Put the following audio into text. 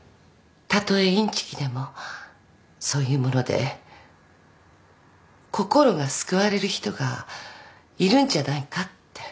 たとえいんちきでもそういうもので心が救われる人がいるんじゃないかって思いまして。